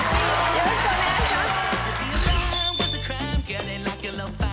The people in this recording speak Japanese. よろしくお願いします